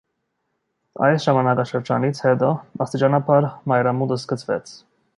Այս ժամանակաշրջանից հետո աստիճանաբար մայրամուտ սկսվեց։